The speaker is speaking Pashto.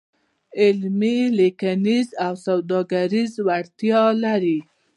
علمي، لیکنیز او سوداګریز وړتیا لري.